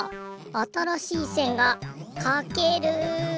あたらしいせんがかける。